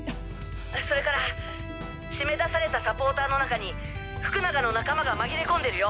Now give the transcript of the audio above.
それから締め出されたサポーターの中に福永の仲間がまぎれ込んでるよ。